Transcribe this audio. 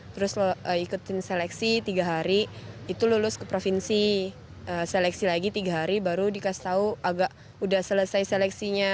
terus ikutin seleksi tiga hari itu lulus ke provinsi seleksi lagi tiga hari baru dikasih tahu agak udah selesai seleksinya